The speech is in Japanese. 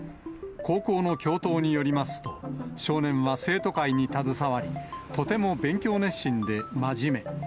高校の教頭によりますと、少年は生徒会に携わり、とても勉強熱心で真面目。